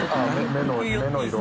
目の色。